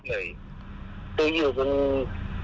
เขาจะยึดเดียว